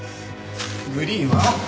グリーンは？